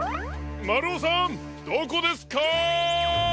まるおさんどこですか？